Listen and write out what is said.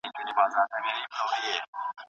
کیمیاګرې! ستا دسترګو رانجه څه دي